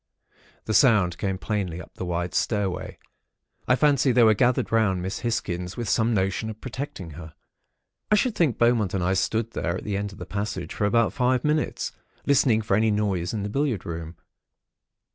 The sound came plainly up the wide stair way. I fancy they were gathered round Miss Hisgins, with some notion of protecting her. "I should think Beaumont and I stood there, at the end of the passage, for about five minutes, listening for any noise in the billiard room.